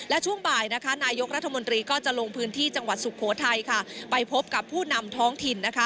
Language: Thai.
และช่วงบ่ายนายกรัฐมนตรีก็จะลงพื้นที่จังหวัดสุโขทัยไปพบกับผู้นำท้องถิ่น